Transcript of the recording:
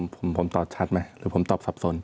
ผมตอบชัดไหมหรือผมตอบสับสน